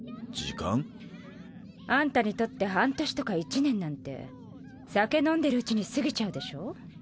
あんたにとって半年とか１年なんて酒飲んでるうちに過ぎちゃうでしょ。